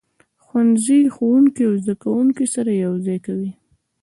ښوونځی ښوونکي او زده کوونکي سره یو ځای کوي.